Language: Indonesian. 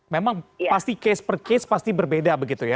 memang pasti case per case pasti berbeda begitu ya